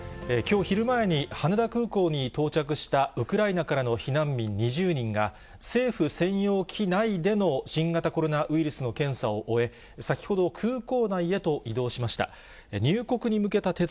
きょう昼前に、羽田空港に到着したウクライナからの避難民２０人が、政府専用機内での新型コロナウイルスの検査を終え、先ほど空港内へと移動しました。